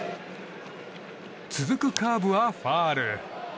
続くカーブはファウル。